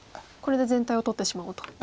これで全体を取ってしまおうと。